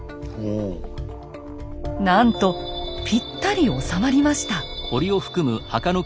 なんとぴったり収まりました。